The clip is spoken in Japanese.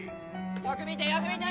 ・よく見てよく見て日沖！